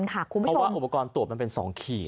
เพราะว่าอุปกรณ์ตรวจมันเป็น๒ขีด